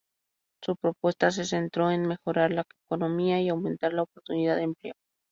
Su propuesta se centró en mejorar la economía y aumentar la oportunidad de empleo.